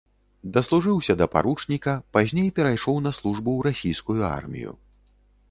Даслужыўся да паручніка, пазней перайшоў на службу ў расійскую армію.